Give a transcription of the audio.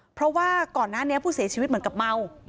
เพราะว่าก่อนหน้านี้ผู้เสียชีวิตเหมือนกับเมา